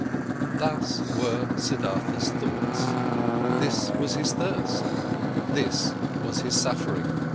Thus were Siddhartha's thoughts, this was his thirst, this was his suffering.